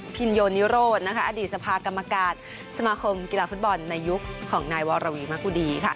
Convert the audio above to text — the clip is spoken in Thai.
พินโยนิโรธอดีตสภากรรมการสมาคมกีฬาฟุตบอลในยุคของนายวรวีมะกุดี